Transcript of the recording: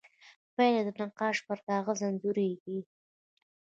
پیاله د نقاش پر کاغذ انځورېږي.